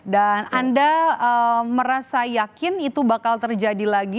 dan anda merasa yakin itu bakal terjadi lagi